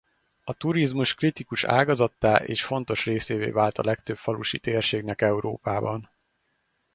A turizmus kritikus ágazattá és fontos részévé vált a legtöbb falusi térségnek Európában.